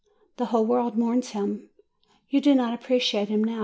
The whole world mourns him. You do not appreciate him now.